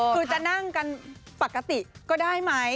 คือจะนั่งกันปกติก็ได้ไหม